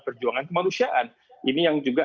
perjuangan kemanusiaan ini yang juga